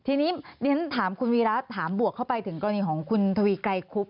ทีนี้เรียนถามคุณวีระถามบวกเข้าไปถึงกรณีของคุณทวีไกรคุบ